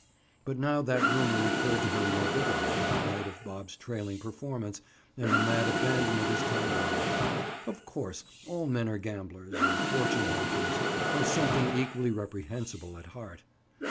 But now that rumor recurred to her more vividly in the light of Bob's trailing performance and the mad abandon of his tangoing. Of course, all men are gamblers, or fortune hunters, or something equally reprehensible, at heart!